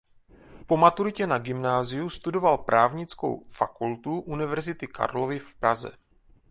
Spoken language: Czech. Po maturitě na gymnáziu studoval Právnickou fakultu Univerzity Karlovy v Praze.